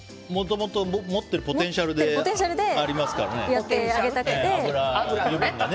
もともと持ってるポテンシャルでありますからね。